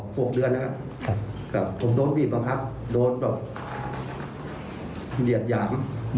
ต่อ๖เดือนนะครับผมโดนบีบมะครับโดนแบบเดี๋ยดหยาม